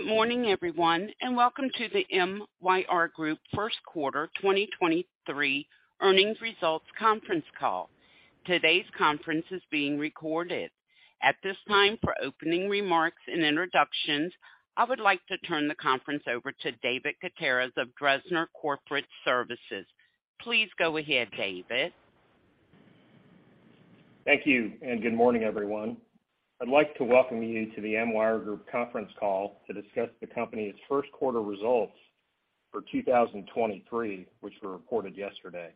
Good morning, everyone. Welcome to the MYR Group Q1 2023 Earnings Results Conference Call. Today's conference is being recorded. At this time, for opening remarks and introductions, I would like to turn the conference over to David Gutierrez of Dresner Corporate Services. Please go ahead, David. Thank you, and good morning, everyone. I'd like to welcome you to the MYR Group conference call to discuss the company's Q1 results for 2023, which were reported yesterday.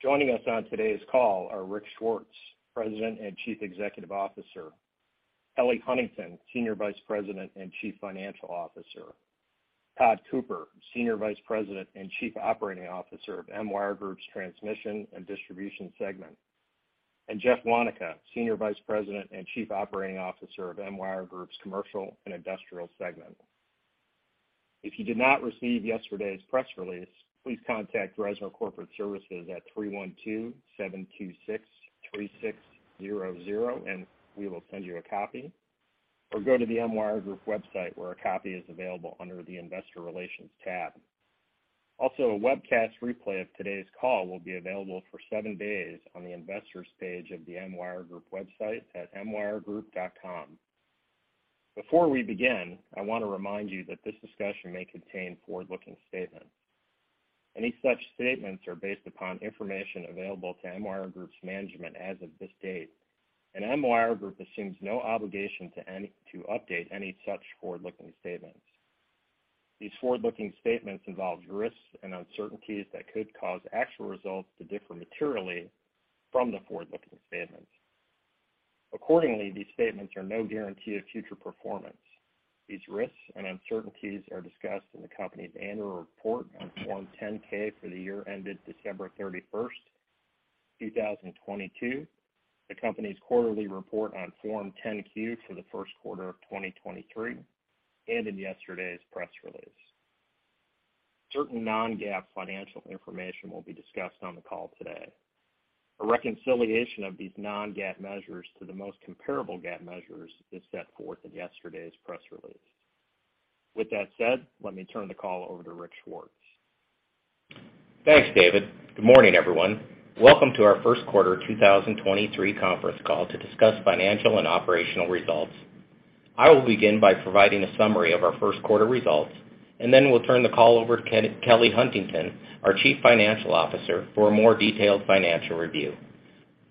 Joining us on today's call are Rick Swartz, President and Chief Executive Officer; Kelly Huntington, Senior Vice President and Chief Financial Officer; Tod Cooper, Senior Vice President and Chief Operating Officer of MYR Group's Transmission and Distribution segment; and Jeff Waneka, Senior Vice President and Chief Operating Officer of MYR Group's Commercial and Industrial segment. If you did not receive yesterday's press release, please contact Dresner Corporate Services at 312-726-3600, and we will send you a copy, or go to the MYR Group website, where a copy is available under the Investor Relations tab. A webcast replay of today's call will be available for seven days on the Investors page of the MYR Group website at myrgroup.com. Before we begin, I want to remind you that this discussion may contain forward-looking statements. Any such statements are based upon information available to MYR Group's management as of this date. MYR Group assumes no obligation to update any such forward-looking statements. These forward-looking statements involve risks and uncertainties that could cause actual results to differ materially from the forward-looking statements. Accordingly, these statements are no guarantee of future performance. These risks and uncertainties are discussed in the company's annual report on Form 10-K for the year ended December 31st, 2022, the company's quarterly report on Form 10-Q for the Q1 of 2023, and in yesterday's press release. Certain non-GAAP financial information will be discussed on the call today. A reconciliation of these non-GAAP measures to the most comparable GAAP measures is set forth in yesterday's press release. With that said, let me turn the call over to Rick Swartz. Thanks, David. Good morning, everyone. Welcome to our Q1 2023 conference call to discuss financial and operational results. I will begin by providing a summary of our Q1 results. Then we'll turn the call over to Kelly Huntington, our Chief Financial Officer, for a more detailed financial review.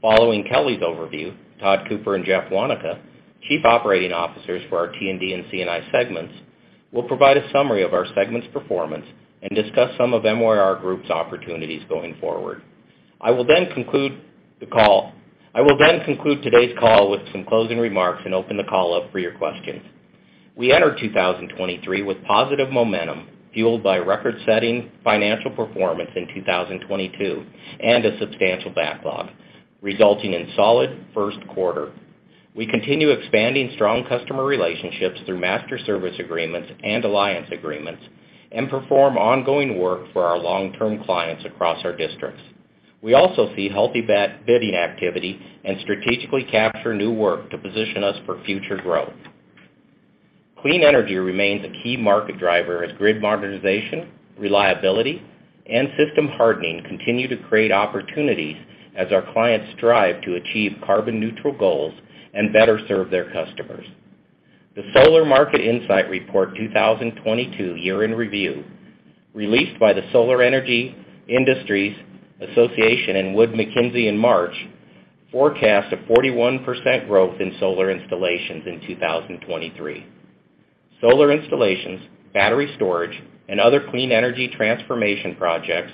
Following Kelly's overview, Tod Cooper and Jeff Waneka, Chief Operating Officers for our T&D and C&I segments, will provide a summary of our segment's performance and discuss some of MYR Group's opportunities going forward. I will then conclude today's call with some closing remarks and open the call up for your questions. We entered 2023 with positive momentum, fueled by record-setting financial performance in 2022 and a substantial backlog, resulting in solid Q1. We continue expanding strong customer relationships through master service agreements and alliance agreements and perform ongoing work for our long-term clients across our districts. We also see healthy bidding activity and strategically capture new work to position us for future growth. Clean energy remains a key market driver as grid modernization, reliability, and system hardening continue to create opportunities as our clients strive to achieve carbon-neutral goals and better serve their customers. The Solar Market Insight Report 2022 Year In Review, released by the Solar Energy Industries Association and Wood Mackenzie in March, forecasts a 41% growth in solar installations in 2023. Solar installations, battery storage, and other clean energy transformation projects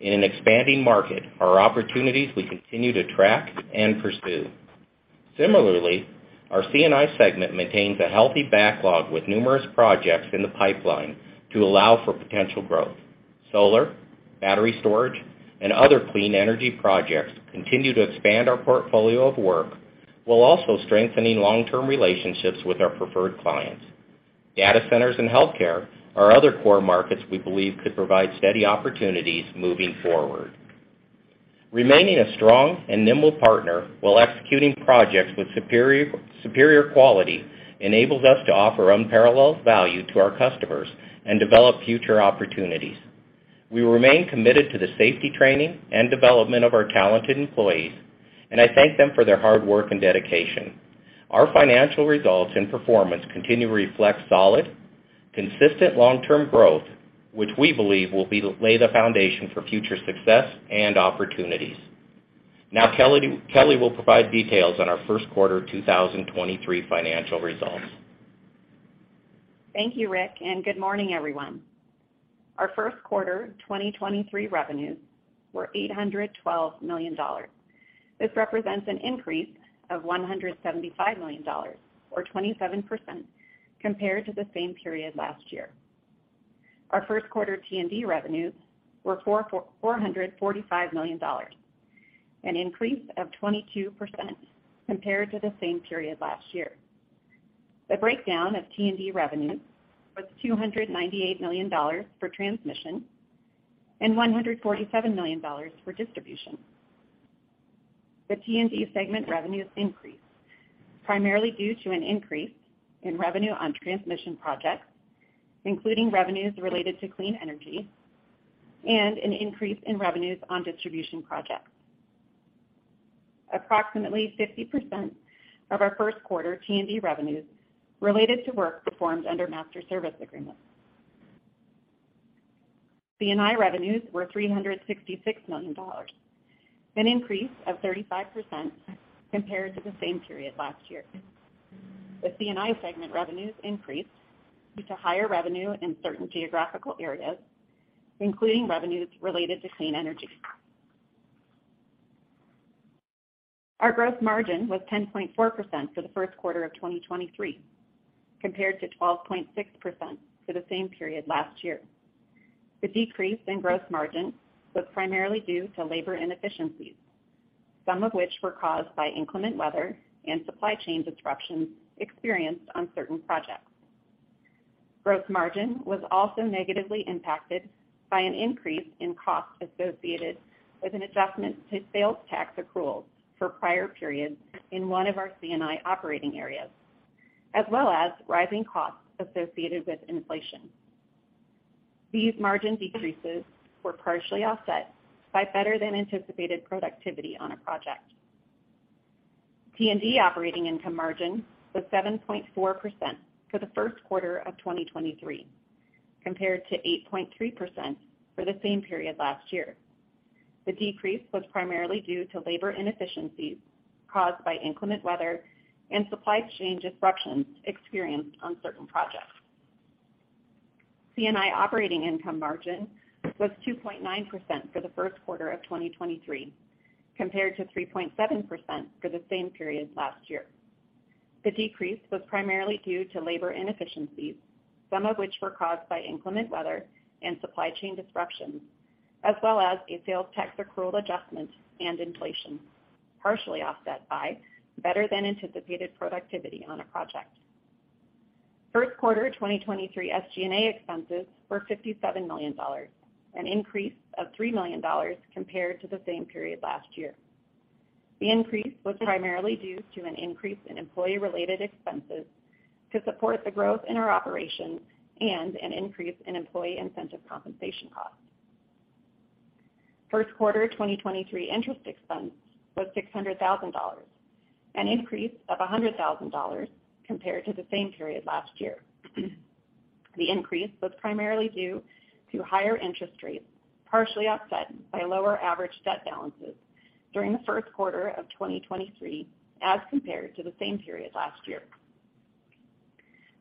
in an expanding market are opportunities we continue to track and pursue. Similarly, our C&I segment maintains a healthy backlog with numerous projects in the pipeline to allow for potential growth. Solar, battery storage, and other clean energy projects continue to expand our portfolio of work while also strengthening long-term relationships with our preferred clients. Data centers and healthcare are other core markets we believe could provide steady opportunities moving forward. Remaining a strong and nimble partner while executing projects with superior quality enables us to offer unparalleled value to our customers and develop future opportunities. We remain committed to the safety training and development of our talented employees, and I thank them for their hard work and dedication. Our financial results and performance continue to reflect solid, consistent long-term growth, which we believe will lay the foundation for future success and opportunities. Now, Kelly will provide details on our Q1 2023 financial results. Thank you, Rick. Good morning, everyone. Our Q1 2023 revenues were $812 million. This represents an increase of $175 million or 27% compared to the same period last year. Our Q1 T&D revenues were $445 million, an increase of 22% compared to the same period last year. The breakdown of T&D revenues was $298 million for transmission and $147 million for distribution. The T&D segment revenues increased primarily due to an increase in revenue on transmission projects, including revenues related to clean energy and an increase in revenues on distribution projects. Approximately 50% of our Q1 T&D revenues related to work performed under master service agreements. C&I revenues were $366 million, an increase of 35% compared to the same period last year. The C&I segment revenues increased due to higher revenue in certain geographical areas, including revenues related to clean energy. Our growth margin was 10.4% for the Q1 of 2023, compared to 12.6% for the same period last year. The decrease in gross margin was primarily due to labor inefficiencies, some of which were caused by inclement weather and supply chain disruptions experienced on certain projects. Gross margin was also negatively impacted by an increase in costs associated with an adjustment to sales tax accruals for prior periods in one of our C&I operating areas, as well as rising costs associated with inflation. These margin decreases were partially offset by better-than-anticipated productivity on a project. T&D operating income margin was 7.4% for the Q1 of 2023, compared to 8.3% for the same period last year. The decrease was primarily due to labor inefficiencies caused by inclement weather and supply chain disruptions experienced on certain projects. C&I operating income margin was 2.9% for the Q1 of 2023, compared to 3.7% for the same period last year. The decrease was primarily due to labor inefficiencies, some of which were caused by inclement weather and supply chain disruptions, as well as a sales tax accrual adjustment and inflation, partially offset by better-than-anticipated productivity on a project. Q1 2023 SG&A expenses were $57 million, an increase of $3 million compared to the same period last year. The increase was primarily due to an increase in employee-related expenses to support the growth in our operations and an increase in employee incentive compensation costs. Q1 2023 interest expense was $600,000, an increase of $100,000 compared to the same period last year. The increase was primarily due to higher interest rates, partially offset by lower average debt balances during the Q1 of 2023 as compared to the same period last year.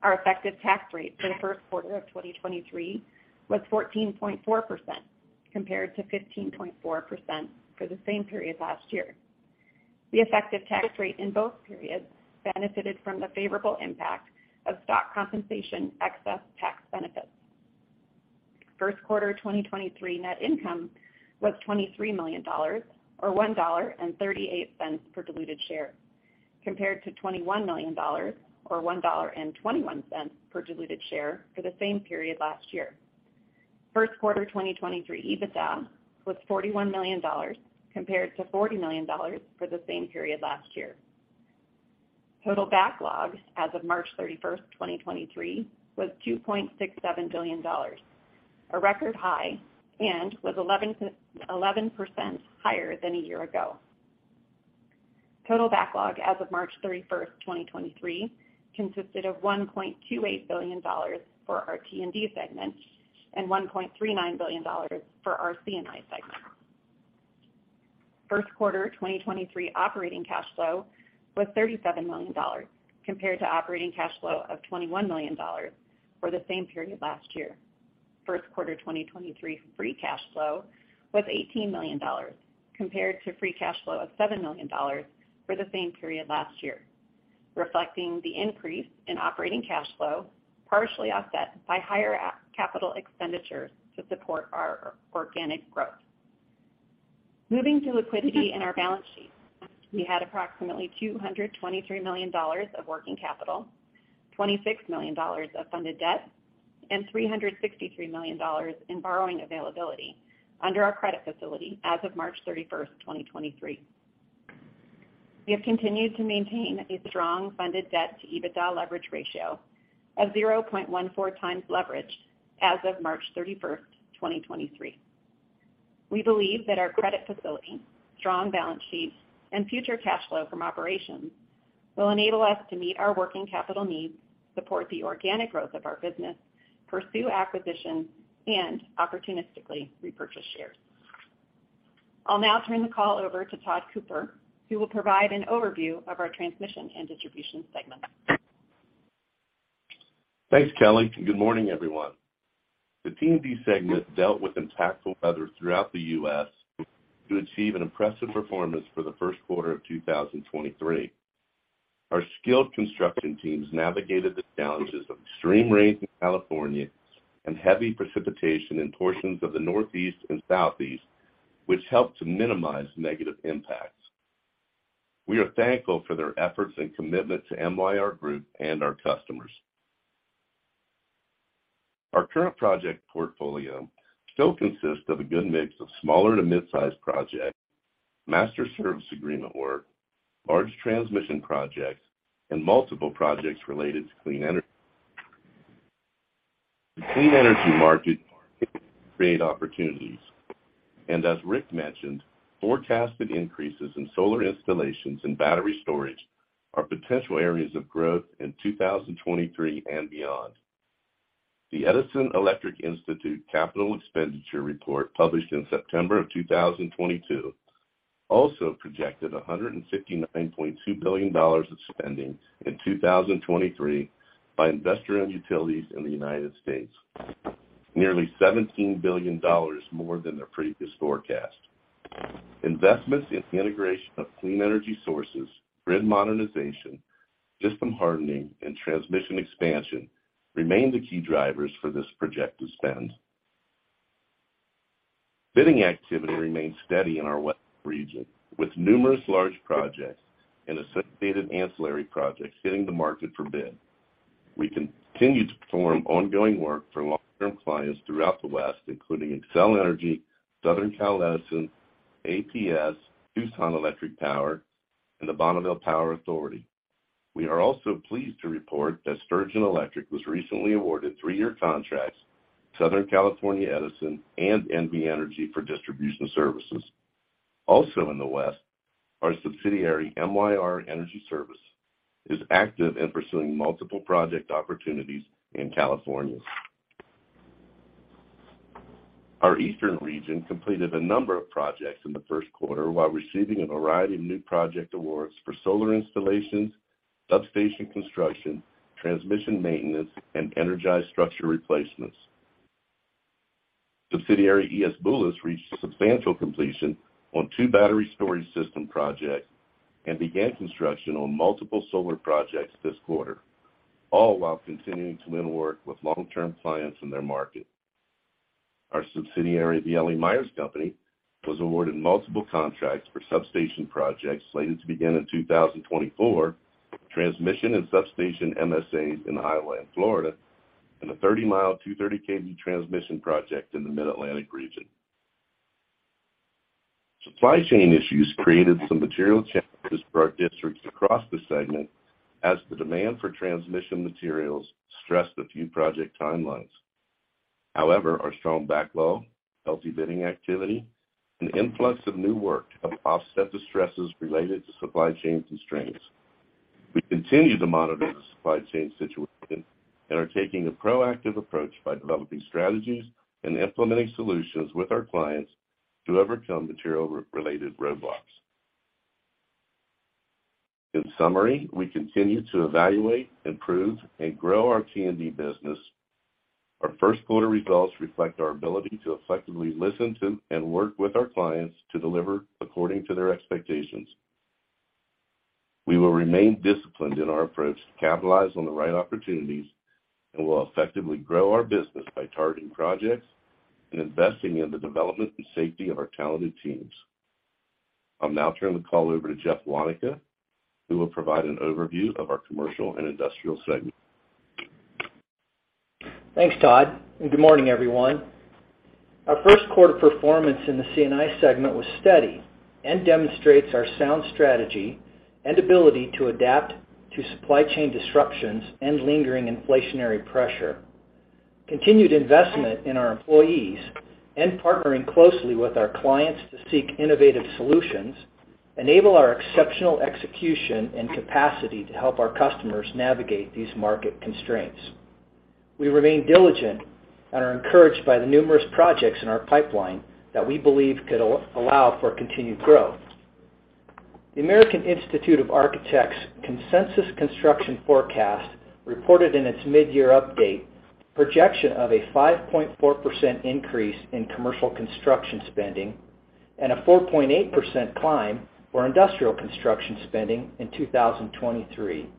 Our effective tax rate for the Q1 of 2023 was 14.4%, compared to 15.4% for the same period last year. The effective tax rate in both periods benefited from the favorable impact of stock compensation excess tax benefits. Q1 2023 net income was $23 million, or $1.38 per diluted share, compared to $21 million or $1.21 per diluted share for the same period last year. Q1 2023 EBITDA was $41 million, compared to $40 million for the same period last year. Total backlogs as of March 31st, 2023 was $2.67 billion, a record high and was 11% higher than a year ago. Total backlog as of March 31st, 2023 consisted of $1.28 billion for our T&D segment and $1.39 billion for our C&I segment. Q1 2023 operating cash flow was $37 million, compared to operating cash flow of $21 million for the same period last year. Q1 2023 free cash flow was $18 million, compared to free cash flow of $7 million for the same period last year, reflecting the increase in operating cash flow, partially offset by higher capital expenditures to support our organic growth. Moving to liquidity in our balance sheet, we had approximately $223 million of working capital, $26 million of funded debt, and $363 million in borrowing availability under our credit facility as of March 31, 2023. We have continued to maintain a strong funded debt to EBITDA leverage ratio of 0.14x leverage as of March 31, 2023. We believe that our credit facility, strong balance sheet, and future cash flow from operations will enable us to meet our working capital needs, support the organic growth of our business, pursue acquisitions, and opportunistically repurchase shares. I'll now turn the call over to Tod Cooper, who will provide an overview of our transmission and distribution segments. Thanks, Kelly. Good morning, everyone. The T&D segment dealt with impactful weather throughout the U.S. to achieve an impressive performance for the Q1 of 2023. Our skilled construction teams navigated the challenges of extreme rain in California and heavy precipitation in portions of the Northeast and Southeast, which helped to minimize negative impacts. We are thankful for their efforts and commitment to MYR Group and our customers. Our current project portfolio still consists of a good mix of smaller to mid-size projects, master service agreement work, large transmission projects, and multiple projects related to clean energy. The clean energy market create opportunities, as Rick mentioned, forecasted increases in solar installations and battery storage are potential areas of growth in 2023 and beyond. The Edison Electric Institute capital expenditure report, published in September 2022, also projected $159.2 billion of spending in 2023 by investor-owned utilities in the United States, nearly $17 billion more than the previous forecast. Investments in the integration of clean energy sources, grid modernization, system hardening, and transmission expansion remain the key drivers for this projected spend. Bidding activity remains steady in our west region, with numerous large projects and associated ancillary projects hitting the market for bid. We continue to perform ongoing work for long-term clients throughout the West, including Xcel Energy, Southern Cal Edison, APS, Tucson Electric Power, and the Bonneville Power Administration. We are also pleased to report that Sturgeon Electric was recently awarded three-year contracts to Southern California Edison and NV Energy for distribution services. In the West, our subsidiary, MYR Energy Services, is active in pursuing multiple project opportunities in California. Our eastern region completed a number of projects in the Q1 while receiving a variety of new project awards for solar installations, substation construction, transmission maintenance, and energized structure replacements. Subsidiary E.S. Boulos reached substantial completion on two battery storage system projects and began construction on multiple solar projects this quarter, all while continuing to win work with long-term clients in their market. Our subsidiary, The L.E. Myers Co., was awarded multiple contracts for substation projects slated to begin in 2024, transmission and substation MSAs in Highlands, Florida, and a 30-mile, 230 kV transmission project in the Mid-Atlantic region. Supply chain issues created some material challenges for our districts across the segment as the demand for transmission materials stressed a few project timelines. Our strong backlog, healthy bidding activity, and influx of new work have offset the stresses related to supply chain constraints. We continue to monitor the supply chain situation and are taking a proactive approach by developing strategies and implementing solutions with our clients to overcome material-related roadblocks. In summary, we continue to evaluate, improve, and grow our T&D business. Our Q1 results reflect our ability to effectively listen to and work with our clients to deliver according to their expectations. We will remain disciplined in our approach to capitalize on the right opportunities and will effectively grow our business by targeting projects and investing in the development and safety of our talented teams. I'll now turn the call over to Jeff Waneka, who will provide an overview of our Commercial and Industrial segment. Thanks, Tod, and good morning, everyone. Our Q1 performance in the C&I segment was steady and demonstrates our sound strategy and ability to adapt to supply chain disruptions and lingering inflationary pressure. Continued investment in our employees and partnering closely with our clients to seek innovative solutions enable our exceptional execution and capacity to help our customers navigate these market constraints. We remain diligent and are encouraged by the numerous projects in our pipeline that we believe could allow for continued growth. The American Institute of Architects consensus construction forecast reported in its mid-year update projection of a 5.4% increase in commercial construction spending and a 4.8% climb for industrial construction spending in 2023.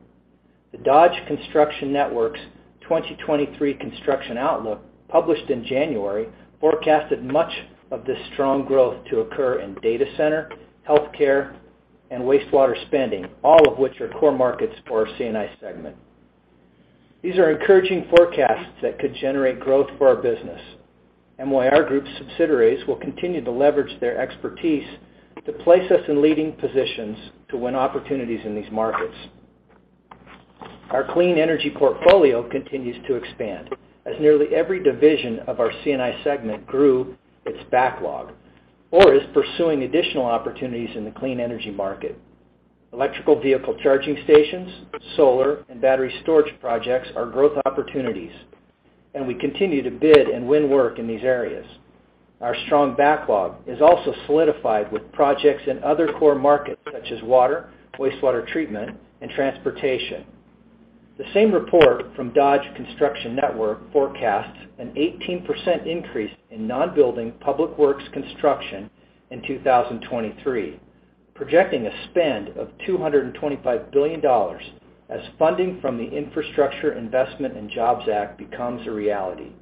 The Dodge Construction Network's 2023 construction outlook, published in January, forecasted much of this strong growth to occur in data center, healthcare, and wastewater spending, all of which are core markets for our C&I segment. These are encouraging forecasts that could generate growth for our business. MYR Group subsidiaries will continue to leverage their expertise to place us in leading positions to win opportunities in these markets. Our clean energy portfolio continues to expand as nearly every division of our C&I segment grew its backlog or is pursuing additional opportunities in the clean energy market. Electrical vehicle charging stations, solar, and battery storage projects are growth opportunities, and we continue to bid and win work in these areas. Our strong backlog is also solidified with projects in other core markets such as water, wastewater treatment, and transportation. The same report from Dodge Construction Network forecasts an 18% increase in non-building public works construction in 2023, projecting a spend of $225 billion as funding from the Infrastructure Investment and Jobs Act becomes a reality.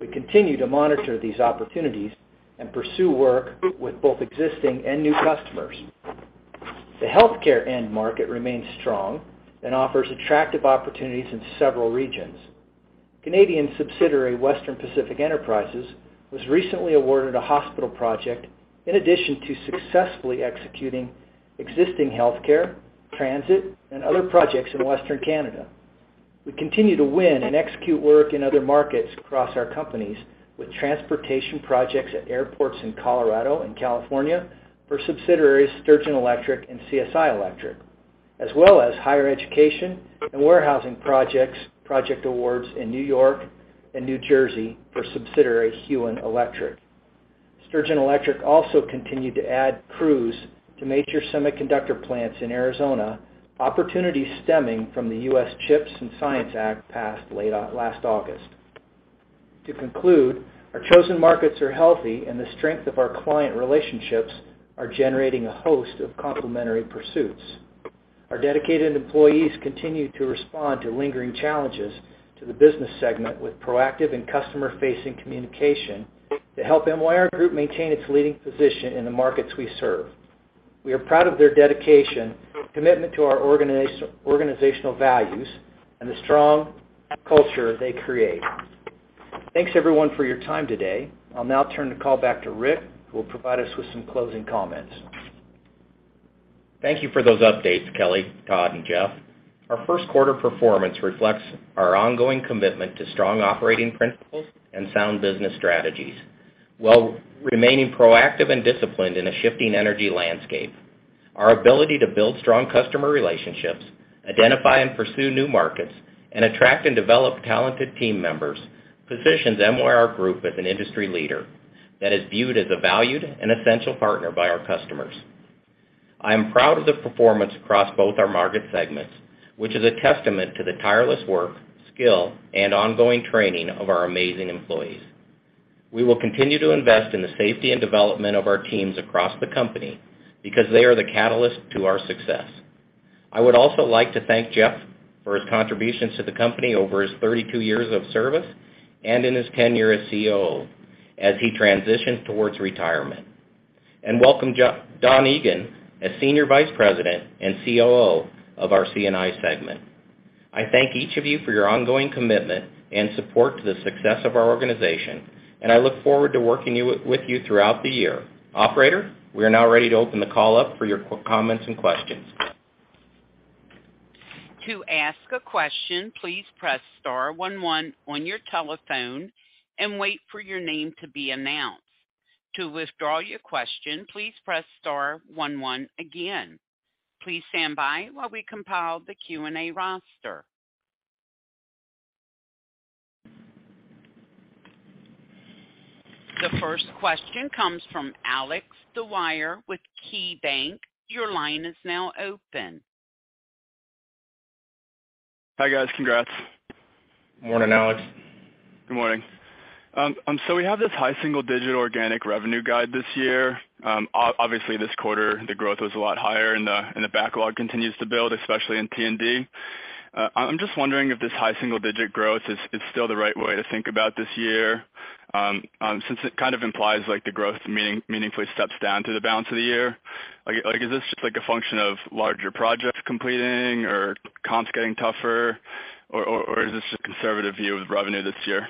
We continue to monitor these opportunities and pursue work with both existing and new customers. The healthcare end market remains strong and offers attractive opportunities in several regions. Canadian subsidiary Western Pacific Enterprises was recently awarded a hospital project in addition to successfully executing existing healthcare, transit, other projects in Western Canada. We continue to win and execute work in other markets across our companies with transportation projects at airports in Colorado and California for subsidiaries Sturgeon Electric and CSI Electric, as well as higher education and warehousing projects, project awards in New York and New Jersey for subsidiary Huen Electric. Sturgeon Electric also continued to add crews to major semiconductor plants in Arizona, opportunities stemming from the U.S. CHIPS and Science Act passed last August. To conclude, our chosen markets are healthy and the strength of our client relationships are generating a host of complementary pursuits. Our dedicated employees continue to respond to lingering challenges to the business segment with proactive and customer-facing communication to help MYR Group maintain its leading position in the markets we serve. We are proud of their dedication, commitment to our organizational values, and the strong culture they create. Thanks, everyone, for your time today. I'll now turn the call back to Rick, who will provide us with some closing comments. Thank you for those updates, Kelly, Tod, and Jeff. Our Q1 performance reflects our ongoing commitment to strong operating principles and sound business strategies while remaining proactive and disciplined in a shifting energy landscape. Our ability to build strong customer relationships, identify and pursue new markets, and attract and develop talented team members positions MYR Group as an industry leader that is viewed as a valued and essential partner by our customers. I am proud of the performance across both our market segments, which is a testament to the tireless work, skill, and ongoing training of our amazing employees. We will continue to invest in the safety and development of our teams across the company because they are the catalyst to our success. I would also like to thank Jeff for his contributions to the company over his 32 years of service and in his tenure as COO as he transitions towards retirement. Welcome Don Egan as Senior Vice President and COO of our C&I segment. I thank each of you for your ongoing commitment and support to the success of our organization, and I look forward to working with you throughout the year. Operator, we are now ready to open the call up for your comments and questions. To ask a question, please press star one one on your telephone and wait for your name to be announced. To withdraw your question, please press star one one again. Please stand by while we compile the Q&A roster. The first question comes from Alex Dwyer with KeyBanc. Your line is now open. Hi, guys. Congrats. Morning, Alex. Good morning. We have this high single digit organic revenue guide this year. Obviously this quarter the growth was a lot higher and the backlog continues to build, especially in T&D. I'm just wondering if this high single digit growth is still the right way to think about this year, since it kind of implies like the growth meaningfully steps down to the balance of the year. Like, is this just like a function of larger projects completing or comps getting tougher or is this a conservative view of revenue this year?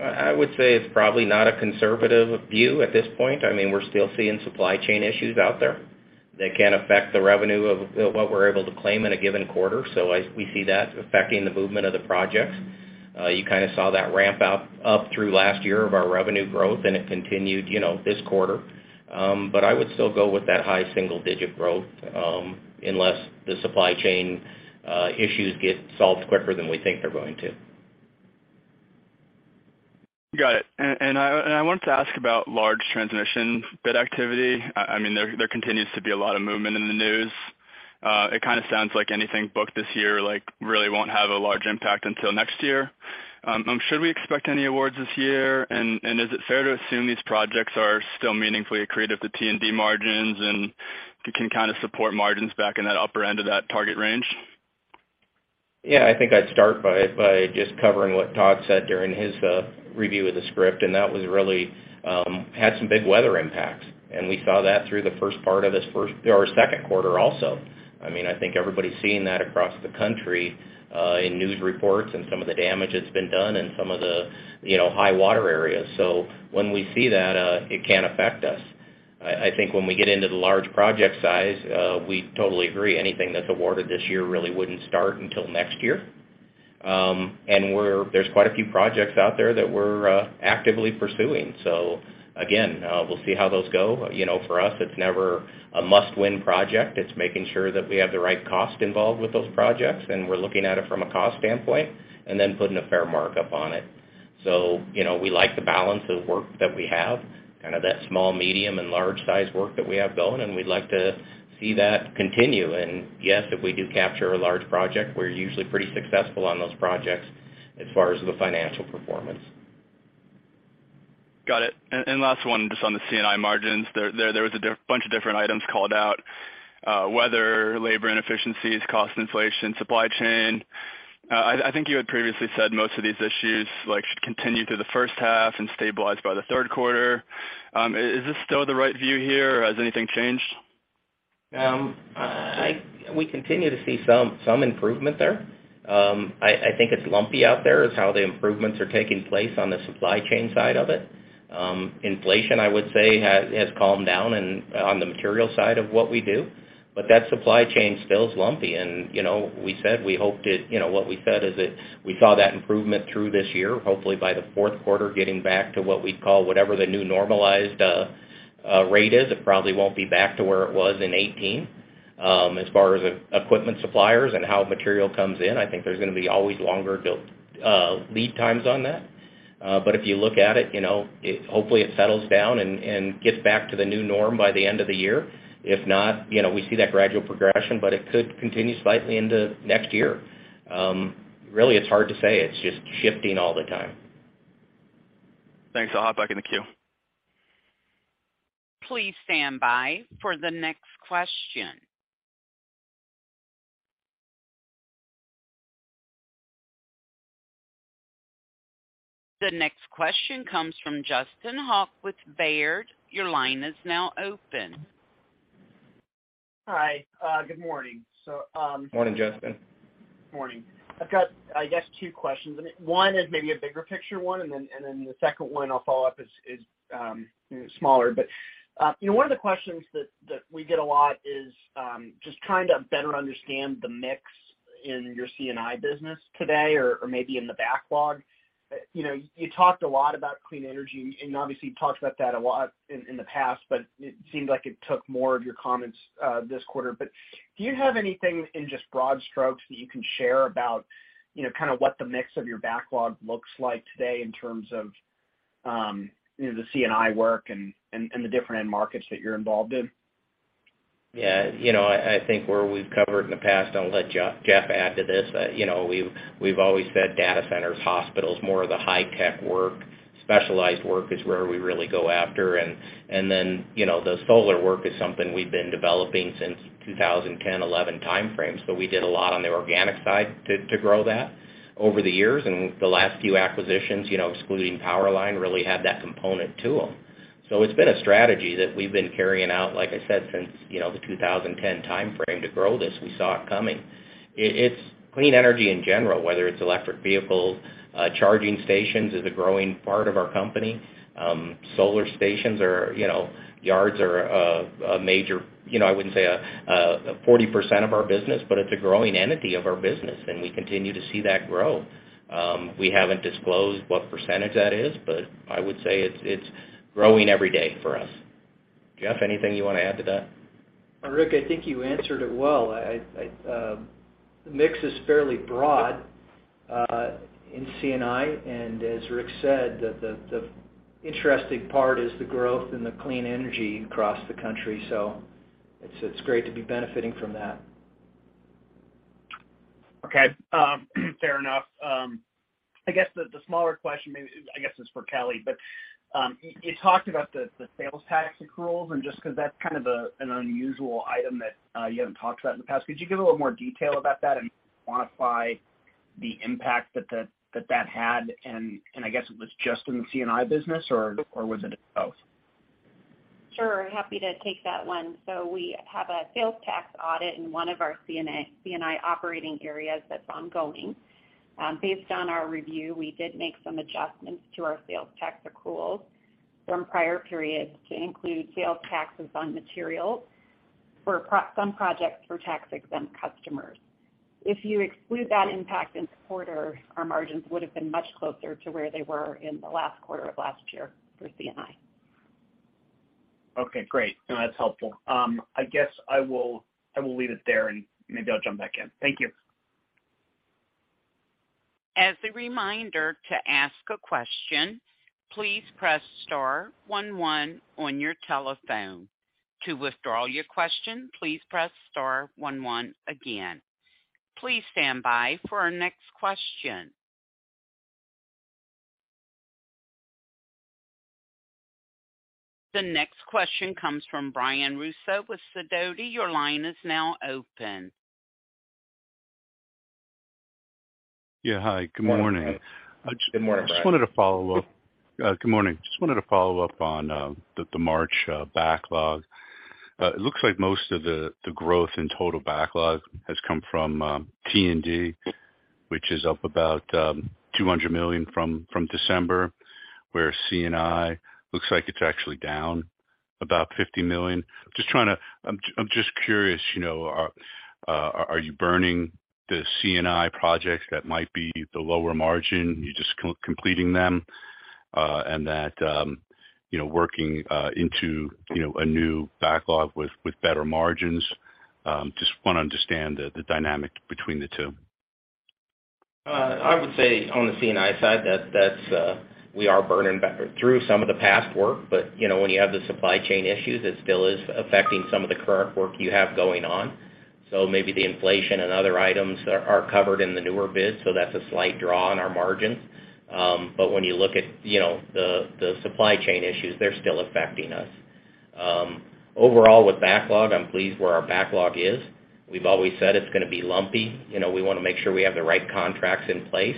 I would say it's probably not a conservative view at this point. I mean, we're still seeing supply chain issues out there that can affect the revenue of what we're able to claim in a given quarter. We see that affecting the movement of the projects. You kind of saw that ramp up through last year of our revenue growth and it continued, you know, this quarter. I would still go with that high single digit growth unless the supply chain issues get solved quicker than we think they're going to. Got it. I wanted to ask about large transmission bid activity. I mean, there continues to be a lot of movement in the news. It kind of sounds like anything booked this year, like, really won't have a large impact until next year. Should we expect any awards this year? Is it fair to assume these projects are still meaningfully accretive to T&D margins and can kind of support margins back in that upper end of that target range? Yeah, I think I'd start by just covering what Tod said during his review of the script, and that was really had some big weather impacts. We saw that through the first part of this Q2 also. I mean, I think everybody's seeing that across the country, in news reports and some of the damage that's been done in some of the, you know, high water areas. When we see that, it can affect us. I think when we get into the large project size, we totally agree, anything that's awarded this year really wouldn't start until next year. There's quite a few projects out there that we're actively pursuing. Again, we'll see how those go. You know, for us, it's never a must-win project. It's making sure that we have the right cost involved with those projects, and we're looking at it from a cost standpoint and then putting a fair markup on it. You know, we like the balance of work that we have, kind of that small, medium, and large size work that we have going, and we'd like to see that continue. Yes, if we do capture a large project, we're usually pretty successful on those projects as far as the financial performance. Got it. Last one, just on the C&I margins. There was a bunch of different items called out, weather, labor inefficiencies, cost inflation, supply chain. I think you had previously said most of these issues, like, should continue through the first half and stabilize by the third quarter. Is this still the right view here or has anything changed? We continue to see some improvement there. I think it's lumpy out there is how the improvements are taking place on the supply chain side of it. Inflation, I would say, has calmed down on the material side of what we do. That supply chain still is lumpy and, you know, we said we hoped it, you know, what we said is that we saw that improvement through this year, hopefully by the Q4, getting back to what we'd call whatever the new normalized rate is. It probably won't be back to where it was in 2018. As far as equipment suppliers and how material comes in, I think there's gonna be always longer build lead times on that. If you look at it, you know, hopefully, it settles down and gets back to the new norm by the end of the year. If not, you know, we see that gradual progression, but it could continue slightly into next year. Really, it's hard to say. It's just shifting all the time. Thanks. I'll hop back in the queue. Please stand by for the next question. The next question comes from Justin Hauke with Baird. Your line is now open. Hi. Good morning. Morning, Justin. Morning. I've got, I guess, two questions. One is maybe a bigger picture one, and then the second one I'll follow up is, you know, smaller. You know, one of the questions that we get a lot is, just trying to better understand the mix in your C&I business today or maybe in the backlog. You know, you talked a lot about clean energy, and obviously you've talked about that a lot in the past, but it seemed like it took more of your comments this quarter. Do you have anything in just broad strokes that you can share about, you know, kind of what the mix of your backlog looks like today in terms of, you know, the C&I work and the different end markets that you're involved in? Yeah. You know, I think where we've covered in the past, I'll let Jeff add to this, but, you know, we've always said data centers, hospitals, more of the high-tech work, specialized work is where we really go after. You know, the solar work is something we've been developing since 2010, 11 timeframes, but we did a lot on the organic side to grow that over the years. The last few acquisitions, you know, excluding Powerline, really had that component to them. It's been a strategy that we've been carrying out, like I said, since, you know, the 2010 timeframe to grow this. We saw it coming. It's clean energy in general, whether it's electric vehicles, charging stations is a growing part of our company. Solar stations or, you know, yards are a major, you know, I wouldn't say, 40% of our business, but it's a growing entity of our business. We continue to see that grow. We haven't disclosed what percentage that is, but I would say it's growing every day for us. Jeff, anything you wanna add to that? Rick, I think you answered it well. I, the mix is fairly broad in C&I. As Rick said, the interesting part is the growth in the clean energy across the country. It's great to be benefiting from that. Okay, fair enough. I guess the smaller question maybe is for Kelly. You talked about the sales tax accruals and just 'cause that's kind of an unusual item that you haven't talked about in the past. Could you give a little more detail about that and quantify the impact that that had? I guess it was just in the C&I business or was it in both? Sure. Happy to take that one. We have a sales tax audit in one of our C&I operating areas that's ongoing. Based on our review, we did make some adjustments to our sales tax accruals from prior periods to include sales taxes on materials for some projects for tax-exempt customers. If you exclude that impact in the quarter, our margins would have been much closer to where they were in the last quarter of last year for C&I. Okay, great. No, that's helpful. I guess I will leave it there, maybe I'll jump back in. Thank you. As a reminder to ask a question, please press star one one on your telephone. To withdraw your question, please press star one one again. Please stand by for our next question. The next question comes from Brian Russo with Sidoti. Your line is now open. Yeah, hi. Good morning. Good morning, Brian. Good morning. Just wanted to follow up on the March backlog. It looks like most of the growth in total backlog has come from T&D, which is up about $200 million from December, where C&I looks like it's actually down about $50 million. I'm just curious, you know, are you burning the C&I projects that might be the lower margin, you're just co-completing them, and that, you know, working into, you know, a new backlog with better margins? Just wanna understand the dynamic between the two. I would say on the C&I side that that's, we are burning back through some of the past work. You know, when you have the supply chain issues, it still is affecting some of the current work you have going on. Maybe the inflation and other items are covered in the newer bids, so that's a slight draw on our margins. Overall with backlog, I'm pleased where our backlog is. We've always said it's gonna be lumpy. You know, we wanna make sure we have the right contracts in place.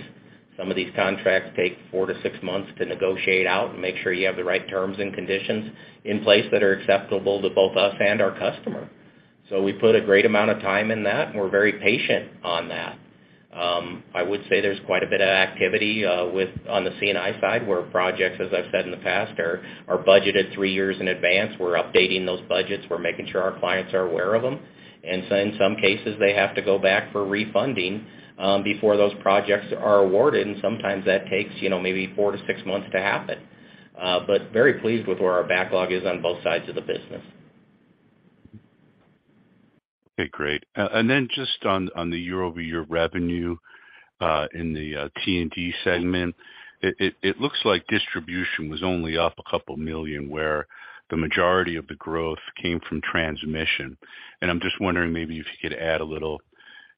Some of these contracts take 4-6 months to negotiate out and make sure you have the right terms and conditions in place that are acceptable to both us and our customer. We put a great amount of time in that, and we're very patient on that. I would say there's quite a bit of activity on the C&I side, where projects, as I've said in the past, are budgeted three years in advance. We're updating those budgets. We're making sure our clients are aware of them. In some cases, they have to go back for refunding, before those projects are awarded, and sometimes that takes, you know, maybe 4-6 months to happen. Very pleased with where our backlog is on both sides of the business. Okay, great. Just on the year-over-year revenue in the T&D segment, looks like distribution was only up a couple million where the majority of the growth came from transmission. I'm just wondering maybe if you could add a little,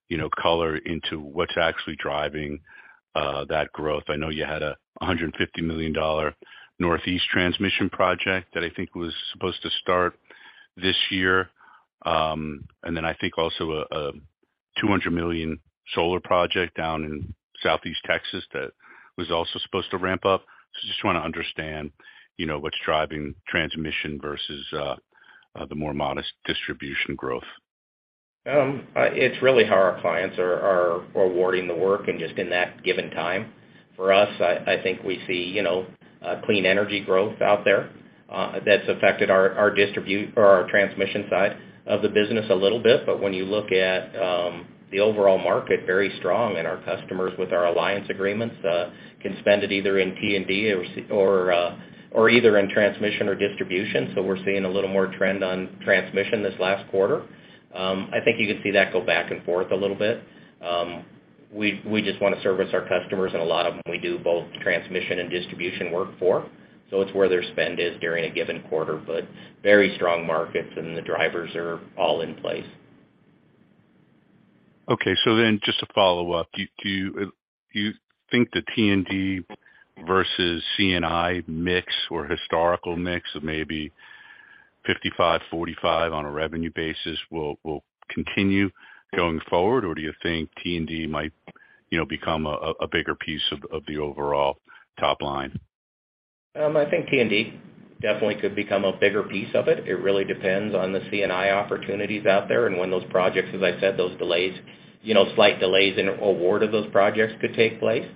you know, color into what's actually driving that growth. I know you had a $150 million northeast transmission project that I think was supposed to start this year. Then I think also a $200 million solar project down in southeast Texas that was also supposed to ramp up. Just wanna understand, you know, what's driving transmission versus the more modest distribution growth. It's really how our clients are awarding the work and just in that given time. For us, I think we see, you know, clean energy growth out there, that's affected our distribute or our transmission side of the business a little bit. When you look at the overall market, very strong, and our customers with our alliance agreements, can spend it either in T&D or either in transmission or distribution. We're seeing a little more trend on transmission this last quarter. I think you could see that go back and forth a little bit. We just wanna service our customers, and a lot of them we do both transmission and distribution work for. It's where their spend is during a given quarter, but very strong markets and the drivers are all in place. Just to follow up, do you think the T&D versus C&I mix or historical mix of maybe 55, 45 on a revenue basis will continue going forward? Or do you think T&D might, you know, become a bigger piece of the overall top line? I think T&D definitely could become a bigger piece of it. It really depends on the C&I opportunities out there and when those projects, as I said, those delays, you know, slight delays in award of those projects could take place.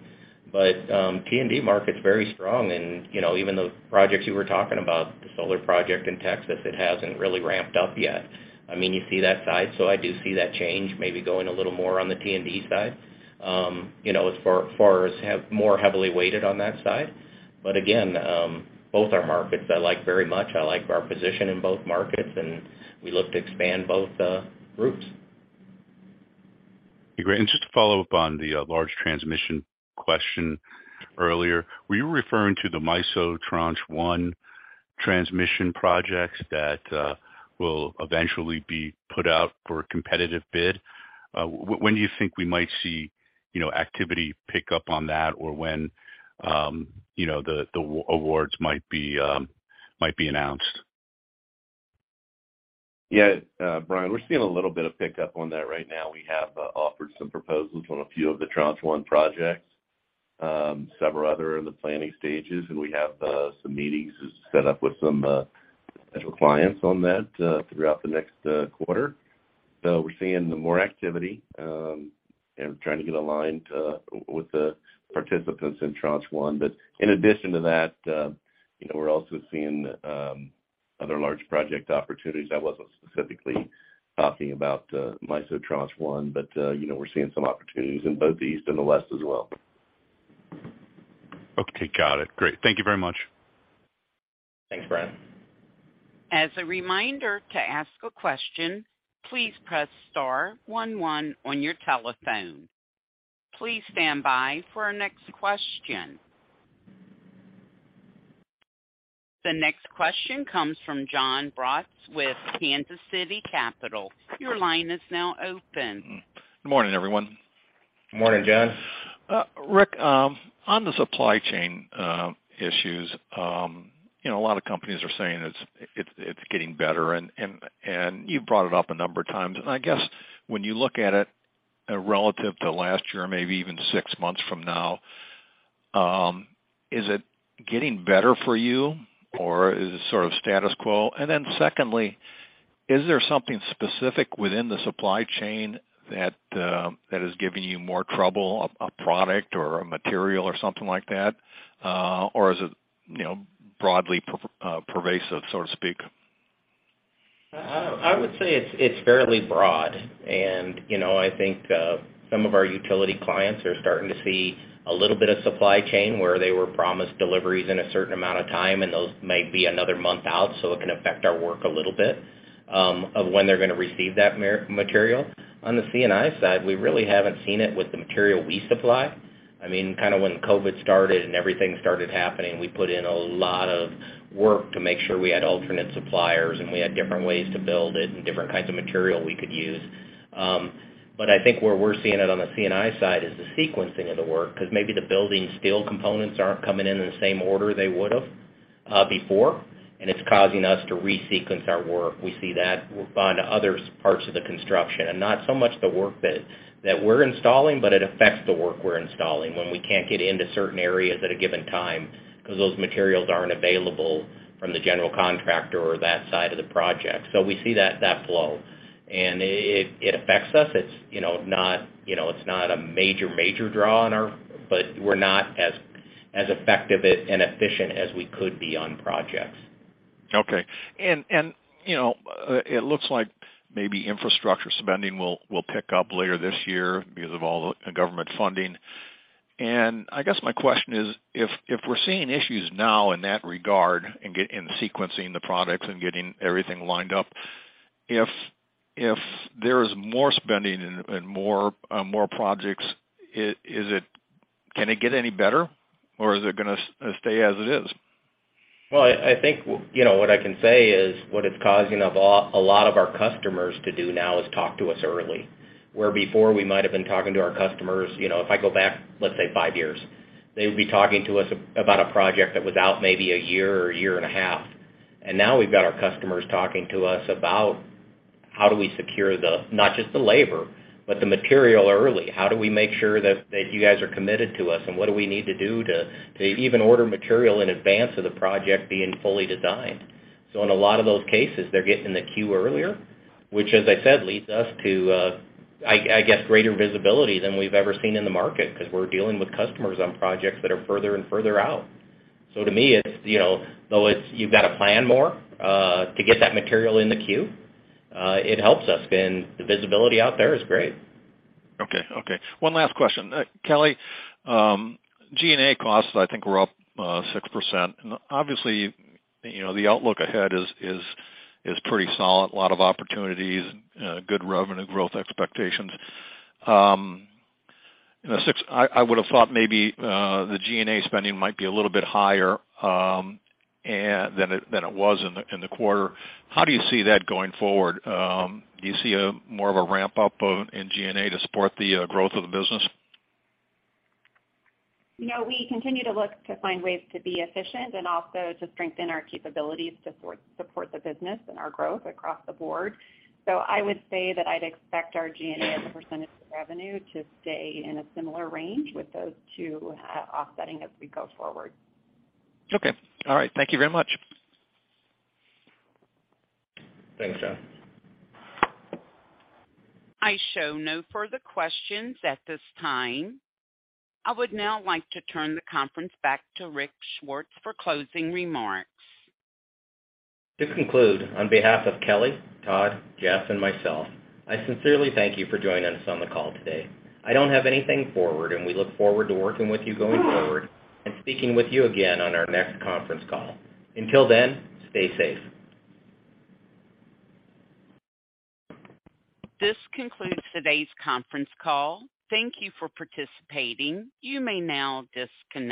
T&D market's very strong and, you know, even those projects you were talking about, the solar project in Texas, it hasn't really ramped up yet. I mean, you see that side, I do see that change maybe going a little more on the T&D side, you know, as far as have more heavily weighted on that side. Again, both are markets I like very much. I like our position in both markets, we look to expand both groups. Okay, great. Just to follow up on the large transmission question earlier, were you referring to the MISO Tranche 1 transmission projects that will eventually be put out for a competitive bid? When do you think we might see, you know, activity pick up on that or when, you know, the awards might be announced? Yeah, Brian, we're seeing a little bit of pickup on that right now. We have offered some proposals on a few of the Tranche 1 projects. Several other are in the planning stages, and we have some meetings set up with some potential clients on that throughout the next quarter. We're seeing the more activity and trying to get aligned with the participants in Tranche 1. In addition to that, you know, we're also seeing other large project opportunities. I wasn't specifically talking about MISO Tranche 1, but, you know, we're seeing some opportunities in both the East and the West as well. Okay, got it. Great. Thank you very much. Thanks, Brian. As a reminder to ask a question, please press star one one on your telephone. Please stand by for our next question. The next question comes from Jon Braatz with Kansas City Capital Associates. Your line is now open. Good morning, everyone. Good morning, John. Rick, on the supply chain issues, you know, a lot of companies are saying it's getting better and you've brought it up a number of times. I guess when you look at it relative to last year, maybe even six months from now, is it getting better for you or is it sort of status quo? Secondly, is there something specific within the supply chain that is giving you more trouble, a product or a material or something like that? Or is it, you know, broadly pervasive, so to speak? I would say it's fairly broad. You know, I think some of our utility clients are starting to see a little bit of supply chain where they were promised deliveries in a certain amount of time, and those might be another month out, so it can affect our work a little bit, of when they're gonna receive that material. On the C&I side, we really haven't seen it with the material we supply. I mean, kind of when COVID started and everything started happening, we put in a lot of work to make sure we had alternate suppliers, and we had different ways to build it and different kinds of material we could use. I think where we're seeing it on the C&I side is the sequencing of the work, 'cause maybe the building steel components aren't coming in in the same order they would've before, and it's causing us to resequence our work. We see that on others parts of the construction. Not so much the work that we're installing, but it affects the work we're installing when we can't get into certain areas at a given time 'cause those materials aren't available from the general contractor or that side of the project. We see that flow. It affects us. It's, you know, not, you know, it's not a major draw on our... We're not as effective at and efficient as we could be on projects. Okay. You know, it looks like maybe infrastructure spending will pick up later this year because of all the government funding. I guess my question is, if we're seeing issues now in that regard in the sequencing the products and getting everything lined up, if there is more spending and more projects, can it get any better or is it gonna stay as it is? Well, I think, you know, what I can say is what it's causing a lot of our customers to do now is talk to us early. Where before we might have been talking to our customers, you know, if I go back, let's say five years, they would be talking to us about a project that was out maybe a year or a year and a half. Now we've got our customers talking to us about how do we secure the, not just the labor, but the material early. How do we make sure that you guys are committed to us and what do we need to do to even order material in advance of the project being fully designed? In a lot of those cases, they're getting in the queue earlier, which as I said, leads us to, I guess, greater visibility than we've ever seen in the market 'cause we're dealing with customers on projects that are further and further out. To me it's, you know, though it's you've got to plan more, to get that material in the queue, it helps us. The visibility out there is great. Okay. One last question. Kelly, G&A costs I think were up 6%. Obviously, you know, the outlook ahead is pretty solid, a lot of opportunities and good revenue growth expectations. You know, I would have thought maybe the G&A spending might be a little bit higher than it was in the quarter. How do you see that going forward? Do you see more of a ramp up in G&A to support the growth of the business? You know, we continue to look to find ways to be efficient and also to strengthen our capabilities to support the business and our growth across the board. I would say that I'd expect our G&A as a percent of revenue to stay in a similar range with those two offsetting as we go forward. Okay. All right. Thank you very much. Thanks, Jon. I show no further questions at this time. I would now like to turn the conference back to Rick Swartz for closing remarks. To conclude, on behalf of Kelly, Tod, Jeff, and myself, I sincerely thank you for joining us on the call today. I don't have anything forward. We look forward to working with you going forward and speaking with you again on our next conference call. Until then, stay safe. This concludes today's conference call. Thank you for participating. You may now disconnect.